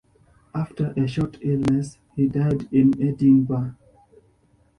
After a short illness, he died in Edinburgh.